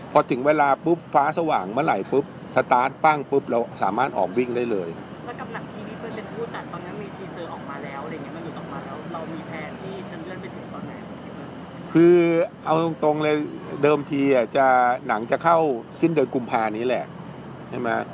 คือเอาตรงเลยเดิมทีหนังจะเข้าสิ้นเดินกุมภานี้แหละ